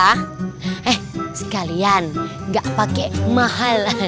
eh sekalian nggak pake mahal